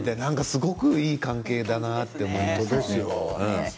すごくいい関係だなと思いました。